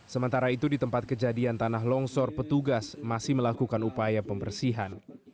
sementara itu di tempat kejadian tanah longsor petugas masih melakukan upaya pembersihan